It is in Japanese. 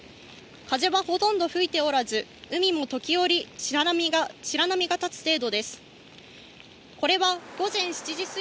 風はほとんど吹いておらず、海も時折、白波が立つ程度です。